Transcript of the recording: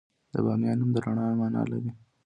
د بامیان نوم د رڼا مانا لري